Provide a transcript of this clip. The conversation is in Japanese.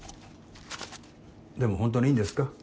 でもホントにいいんですか？